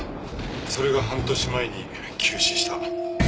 それが半年前に急死した。